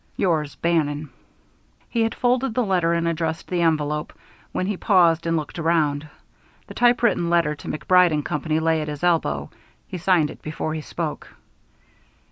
Yours, BANNON. He had folded the letter and addressed the envelope, when he paused and looked around. The typewritten letter to MacBride & Company lay at his elbow. He signed it before he spoke.